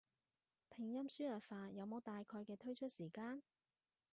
拼音輸入法有冇大概嘅推出時間？